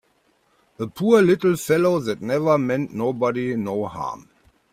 A poor little fellow that never meant nobody no harm!